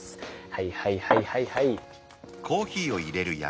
はいはいはいはい。